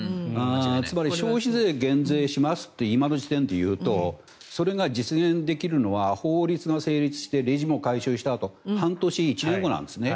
つまり、消費税を減税しますと今の時点で言うとそれが実現できるのは法律が成立してレジも改修したあと半年、１年後なんですね。